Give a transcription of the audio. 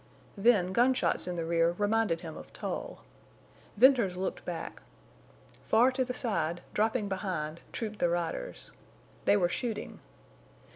Then gunshots in the rear reminded him of Tull. Venters looked back. Far to the side, dropping behind, trooped the riders. They were shooting.